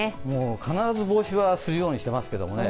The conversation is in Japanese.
もう帽子はするようにしてます。